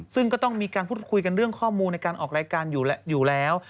ซึ่งก็ต้องมีการพูดคุยกันเรื่องข้อมูลในการออกรายการอยู่แล้ว